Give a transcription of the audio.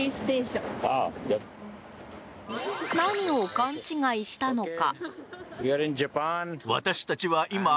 何を勘違いしたのか。